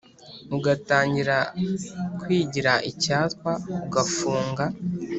Ugatangira kwigiraIcyatwa ugafunga;